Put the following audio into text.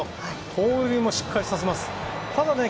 盗塁もしっかりさせます。